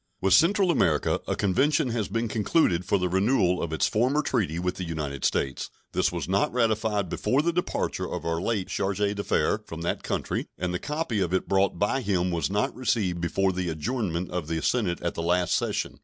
With Central America a convention has been concluded for the renewal of its former treaty with the United States. This was not ratified before the departure of our late charge d'affaires from that country, and the copy of it brought by him was not received before the adjournment of the Senate at the last session.